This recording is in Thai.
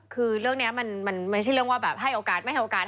คือเรื่องนี้มันไม่ใช่เรื่องว่าแบบให้โอกาสไม่ให้โอกาส